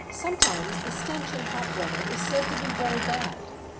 Sometimes the stench in hot weather is said to be very bad.